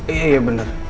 iya iya bener